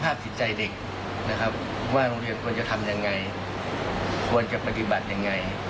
สภาพดีใจเด็กนะครับว่าโรงเรียนควรจะทำอย่างไรควรจะปฏิบัติอย่างไร